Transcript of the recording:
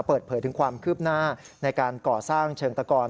เปิดเผยถึงความคืบหน้าในการก่อสร้างเชิงตะกร